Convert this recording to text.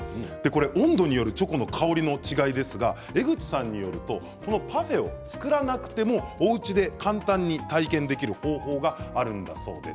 温度によるチョコの香りの違いですが、江口さんによるとパフェを作らなくても、おうちで簡単に体験できる方法があるんだそうです。